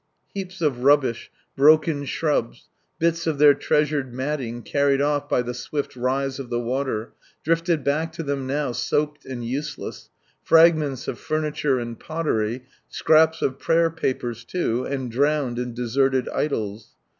Heaps of rubbish, broken shrubs, bits of their treasured matting carried off by the swift rise of the water, drifted back to them now soaked , and useless, fragments of furniture and potter}', scraps of prayer papers too, and drowned and deserted idols.